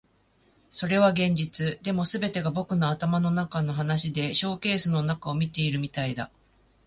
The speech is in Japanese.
それは現実。でも、全てが僕の頭の中の話でショーケースの中を見ているみたいだ。